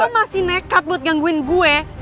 kalo lo masih nekat buat gangguin gue